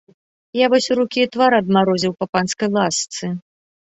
Я вось рукі і твар адмарозіў па панскай ласцы.